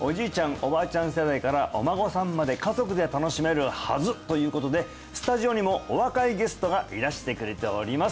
おばあちゃん世代からお孫さんまで家族で楽しめるはずということでスタジオにもお若いゲストがいらしてくれております